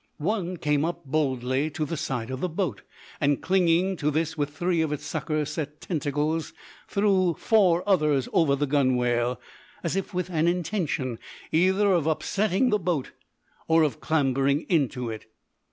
One came up boldly to the side of the boat, and, clinging to this with three of its sucker set tentacles, threw four others over the gunwale, as if with an intention either of oversetting the boat or of clambering into it.